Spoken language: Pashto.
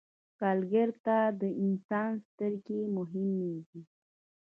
سوالګر ته د انسان سترګې مهمې دي